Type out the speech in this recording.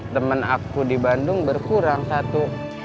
temen aku di bandung berkurang satu